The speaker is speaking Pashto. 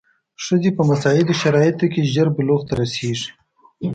ښځې په مساعدو شرایطو کې ژر بلوغ ته رسېږي.